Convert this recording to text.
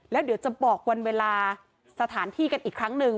แล้วเดี๋ยวจะบอกวันเวลาสถานที่กันอีกครั้งหนึ่ง